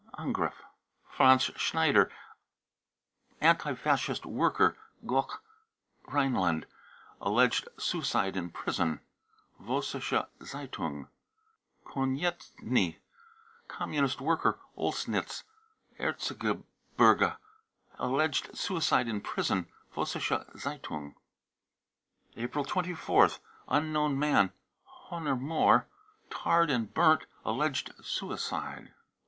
(Angriff.) franz schneider, anti Fascist worker, Goch, Rhineland, alleged suicide in prison, (Vossiscke Z e itung.) konietzny, Communist worker, Oelsnitz, Erzgebirge, alleged suicide in prison. ( Vossiscke Zeitung.) April 24th. unknown man, Honer Moor, tarred and burnt, alleged suicide.